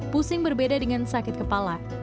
pusing berbeda dengan sakit kepala